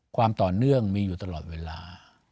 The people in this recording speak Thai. ความต่อเนื่องมีอยู่ตลอดเวลา